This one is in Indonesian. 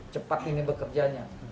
cepat ini bekerjanya